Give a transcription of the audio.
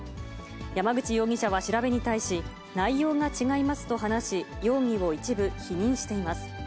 山口容疑者は調べに対し、内容が違いますと話し、容疑を一部否認しています。